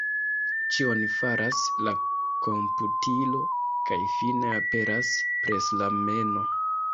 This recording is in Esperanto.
Ĉion faras la komputilo kaj fine aperas preslameno.